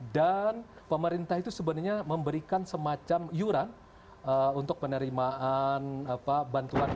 dan pemerintah itu sebenarnya memberikan semacam yuran untuk penerimaan bantuan